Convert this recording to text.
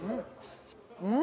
うん。